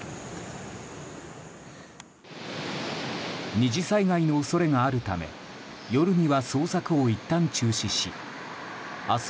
２次災害の恐れがあるため夜には捜索をいったん中止し明日